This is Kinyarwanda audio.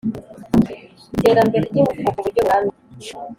Iterambere ry ingufu ku buryo burambye